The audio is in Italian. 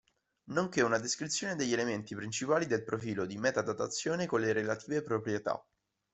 Nonché una descrizione degli elementi principali del profilo di meta datazione con le relative proprietà.